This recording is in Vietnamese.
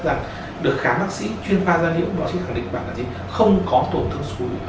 rằng được khám bác sĩ chuyên pha gia liệu báo chí khẳng định bạn là gì không có tổn thương xùi ở